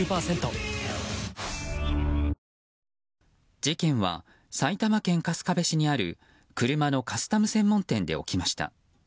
事件は埼玉県春日部市にある車のカスタム専門店で起きました。